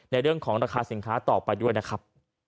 ในเรื่องของราคาสินค้าต่อไปด้วยนะครับ